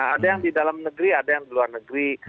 ada yang di dalam negeri ada yang di luar negeri